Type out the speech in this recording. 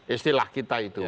istilah kita itu